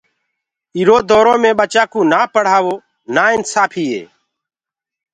ايٚرو دورو مي ٻچآنٚ ڪو نآ پڙهآوو نآ انسآڦيٚ هي